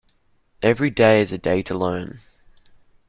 Every day is a day to learn.